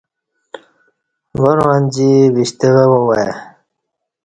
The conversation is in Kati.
ورں انجی وِشتہ وہ وای